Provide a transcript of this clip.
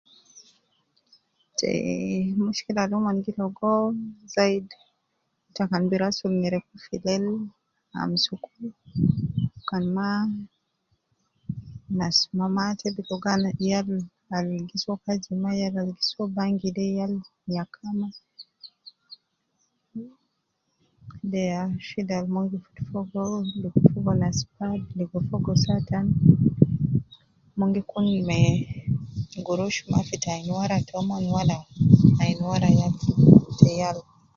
Te, mushkila al omon gi ligo zaidi ta kan bi rasul nyereku filel amsuku, kan ma nas mama ta gi ligo yal al gi soo kazi ma yal gi soo bangi de yal ,ya kan ,de ya shida al mon gi futu fogo ligo fogo nas oad ligo fogo satan mon gi kun me gurush Mafi te ayin wara tomon ana ayin wara, te yal